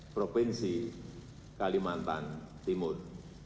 provinsi kalimantan timur